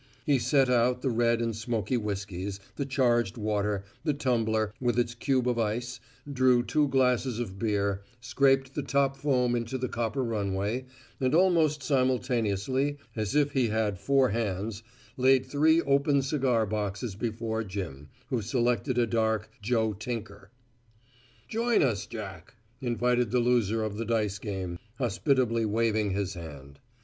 He set out the red and smoky whiskies, the charged water, the tumbler, with its cube of ice; drew two glasses of beer, scraped the top foam into the copper runway, and almost simultaneously, as if he had four hands, laid three open cigar boxes before Jim, who selected a dark "Joe Tinker." "Join us, Jack," invited the loser of the dice game, hospitably waving his hand.